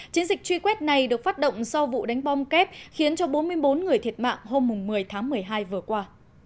chiến dịch truy quét này được phát động sau vụ đánh bom kép khiến cho bốn mươi bốn người thiệt mạng hôm một mươi tháng một mươi hai vừa qua